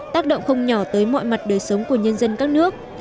tác động không nhỏ tới mọi mặt đời sống của nhân dân các nước